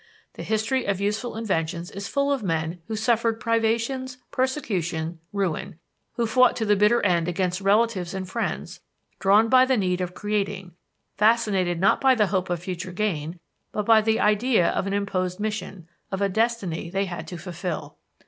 The history of useful inventions is full of men who suffered privations, persecution, ruin; who fought to the bitter end against relatives and friends drawn by the need of creating, fascinated not by the hope of future gain but by the idea of an imposed mission, of a destiny they had to fulfill.